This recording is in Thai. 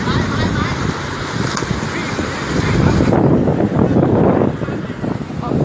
จากสวิธีนี้ราวสงคราม